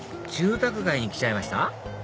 住宅街に来ちゃいました